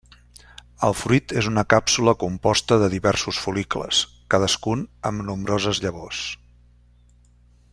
El fruit és una càpsula composta de diversos fol·licles cadascun amb nombroses llavors.